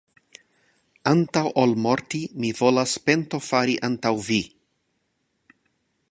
antaŭ ol morti, mi volas pentofari antaŭ vi!